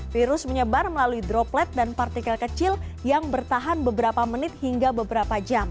virus menyebar melalui droplet dan partikel kecil yang bertahan beberapa menit hingga beberapa jam